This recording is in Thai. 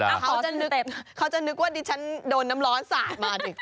ถ้าเค้าจะนึกว่าดิฉันโดนน้ำร้อนศาตรมาดิ